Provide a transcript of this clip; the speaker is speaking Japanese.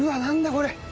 これ。